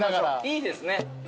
いいですね。